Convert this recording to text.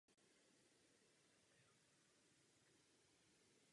Parlament ukázal své odhodlání dosáhnout konkrétních výsledků pro občany.